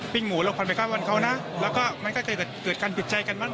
ปิ่งหมูแล้วควันไปเข้าบ้านเขานะแล้วก็มันก็จะเกิดเกิดการผิดใจกันบ้าง